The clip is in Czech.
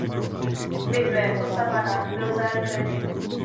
V bitvě o Savannah byl zajat Brity.